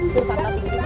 sumpah pak tingginya